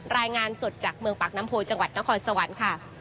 รายงานสดจากเมืองปากน้ำโพจังหวัดนครสวรรค์ค่ะ